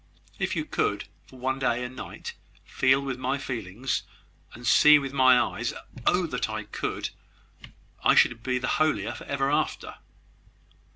If you could, for one day and night, feel with my feelings, and see through my eyes ." "Oh, that I could! I should be the holier for ever after?"